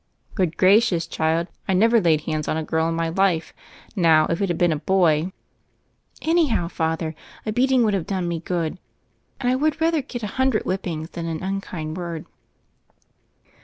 "Good gracious, child : I never laid hands on a girl in my life : now, if it had been a boy " "Anyhow, Father, a beating would have done me more good; and I would rather get a hun dred whippings than an unkind word."